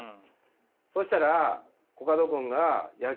そしたらコカド君がいや。